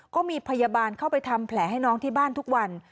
ก็มีพยาบาลเข้าไปทำแผลให้น้องที่บ้านทุกวัน